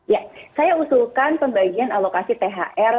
ya saya usulkan pembagian alokasi thr